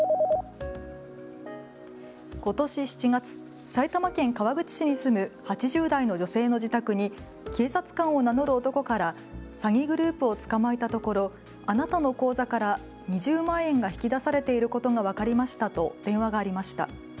ことし７月、埼玉県川口市に住む８０代の女性の自宅に警察官を名乗る男から詐欺グループを捕まえたところあなたの口座から２０万円が引き出されていることが分かりましたと電話がありました。